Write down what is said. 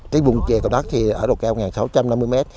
cái vùng trà cổ đất thì ở độ cao một nghìn sáu trăm năm mươi m